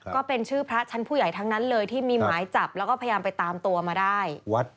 ก็เป็นชื่อพระชั้นผู้ใหญ่ทั้งนั้นเลยที่มีหมายจับแล้วก็พยายามไปตามตัวมาได้